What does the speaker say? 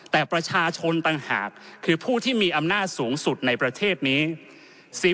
แต่ประชาชนต่างหากคือผู้ที่มีอำนาจสูงสุดในประเทศนี้